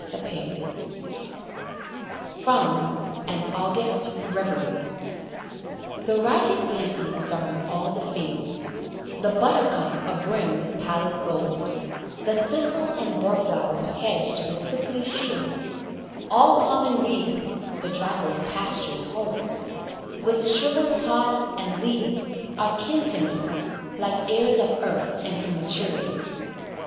Shakespeare From "AN AUGUST REVERIE" The ragged daisy starring all the fields, The buttercup abrim with pallid gold, The thistle and burr flowers hedged with prickly shields, All common weeds the draggled pastures hold, With shrivelled pods and leaves, are kin to me, Like heirs of earth and her maturity.